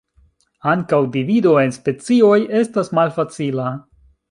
Ankaŭ divido en specioj estas malfacila.